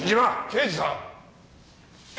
刑事さん！